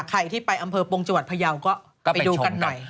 ใครที่ไปอำเภอปงจังหวัดพยาวก็ไปดูกันหน่อย